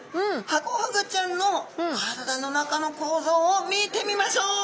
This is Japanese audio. ハコフグちゃんの体の中の構造を見てみましょう！